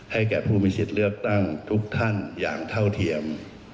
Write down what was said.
แก่ผู้มีสิทธิ์เลือกตั้งทุกท่านอย่างเท่าเทียม